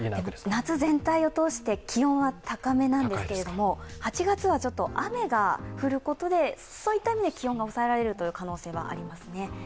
夏全体を通して気温は高めなんですけれども、８月はちょっと雨が降ることで気温が抑えられることがありますね。